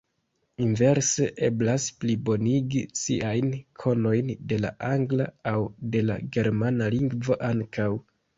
Inverse eblas plibonigi siajn konojn de la angla aŭ de la germana lingvo ankaŭ.